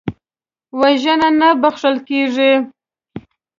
وژنه نه بخښل کېږي